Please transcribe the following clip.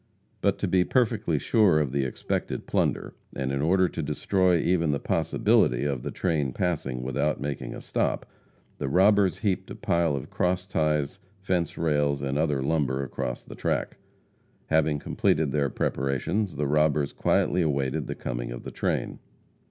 But to be perfectly sure of the expected plunder, and in order to destroy even the possibility of the train passing without making a stop, the robbers heaped a pile of cross ties, fence rails and other lumber across the track. Having completed their preparations, the robbers quietly awaited the coming of the train.